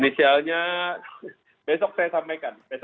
inisialnya besok saya sampaikan